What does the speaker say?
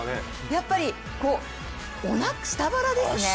やっぱり下腹ですね。